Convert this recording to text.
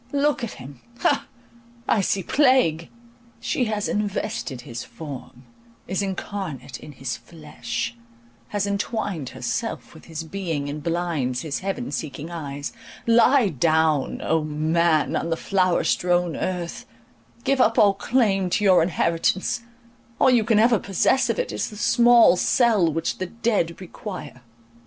Look at him—ha! I see plague! She has invested his form, is incarnate in his flesh, has entwined herself with his being, and blinds his heaven seeking eyes. Lie down, O man, on the flower strown earth; give up all claim to your inheritance, all you can ever possess of it is the small cell which the dead require.